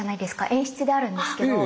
演出であるんですけど。